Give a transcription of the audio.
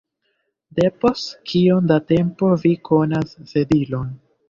Depost kiom da tempo vi konas Sedilon?